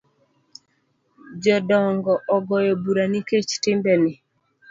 Jodongo ogoyo bura nikech timbeni